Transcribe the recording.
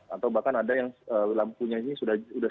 atau bahkan ada yang lampunya ini sudah